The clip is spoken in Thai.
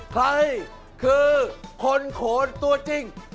ใครคือคนโขนตัวจริง